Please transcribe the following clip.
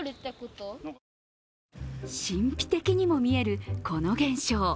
神秘的にも見えるこの現象。